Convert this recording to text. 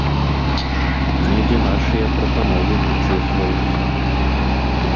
Недзе нашыя прапановы прычэсваюцца.